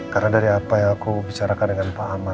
karena dari apa yang aku bicarakan dengan pak amar